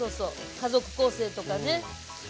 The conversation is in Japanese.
家族構成とかね。